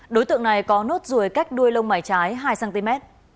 đối tượng này có nốt ruồi cách đuôi lông mải trái hai cm